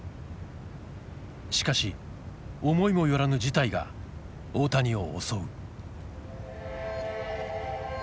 しかし思いもよらぬ事態が大谷を襲う。